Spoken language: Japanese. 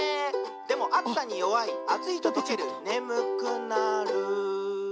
「でもあつさによわいあついととけるねむくなる」